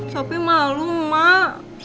sopi malu mak